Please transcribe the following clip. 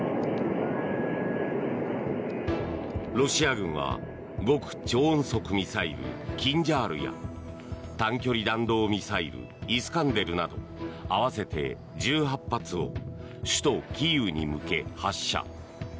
ロシア軍は極超音速ミサイルキンジャールや短距離弾道ミサイルイスカンデルなど合わせて１８発を首都キーウに向け発射。